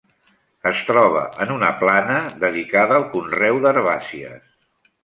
Es troba en una plana dedicada al conreu d'herbàcies.